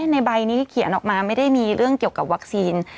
ในใบนี้ที่เขียนออกมาไม่ได้มีเรื่องเกี่ยวกับวัคซีน